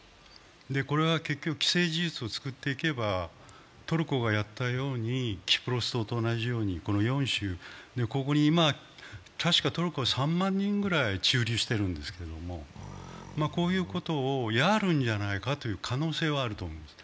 これは結局既成事実を作っていけば、トルコがやったように、キプロス島と同じように、この４州、確かトルコは今、３万人ぐらい駐留してるんですけれども、こういうことをやるんじゃないかという可能性はあると思います。